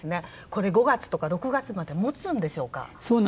これ、５月とか６月まで持つんでしょうか。